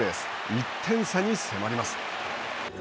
１点差に迫ります。